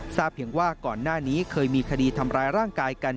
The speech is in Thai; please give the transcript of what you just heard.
เพียงว่าก่อนหน้านี้เคยมีคดีทำร้ายร่างกายกัน